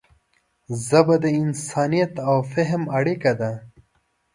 ژبه د انسانیت او فهم اړیکه ده